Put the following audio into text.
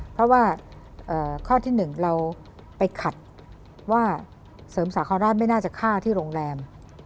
เพราะว่าข้อที่๑เราไปขัดว่าเสริมสาคราชไม่น่าจะฆ่าที่โรงแรม